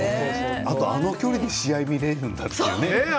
あと、あの距離で試合を見られるんだって。